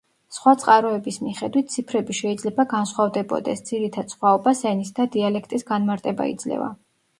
სხვა წყაროების მიხედვით ციფრები შეიძლება განსხვავდებოდეს, ძირითად სხვაობას ენის და დიალექტის განმარტება იძლევა.